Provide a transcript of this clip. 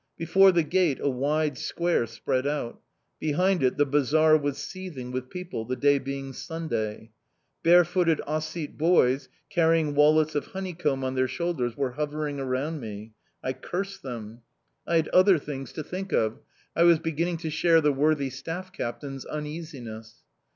Before the gate a wide square spread out; behind it the bazaar was seething with people, the day being Sunday. Barefooted Ossete boys, carrying wallets of honeycomb on their shoulders, were hovering around me. I cursed them; I had other things to think of I was beginning to share the worthy staff captain's uneasiness.